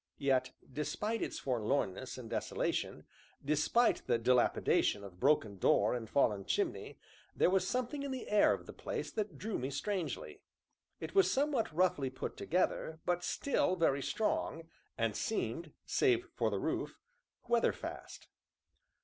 Yet, despite its forlornness and desolation, despite the dilapidation of broken door and fallen chimney, there was something in the air of the place that drew me strangely. It was somewhat roughly put together, but still very strong, and seemed, save for the roof, weatherfast.